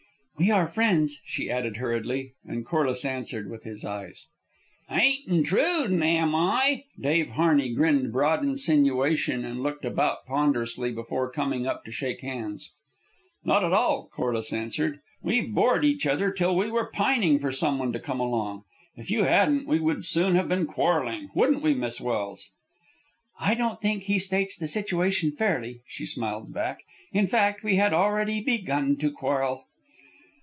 "We are friends," she added hurriedly, and Corliss answered with his eyes. "Ain't intrudin', am I?" Dave Harney grinned broad insinuation and looked about ponderously before coming up to shake hands. "Not at all," Corliss answered. "We've bored each other till we were pining for some one to come along. If you hadn't, we would soon have been quarrelling, wouldn't we, Miss Welse?" "I don't think he states the situation fairly," she smiled back. "In fact, we had already begun to quarrel."